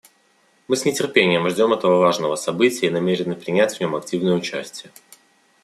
Мы с нетерпением ждем этого важного события и намерены принять в нем активное участие.